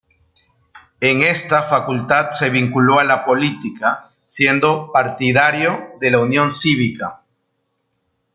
En esta facultad se vinculó a la política, siendo partidario de la Unión Cívica.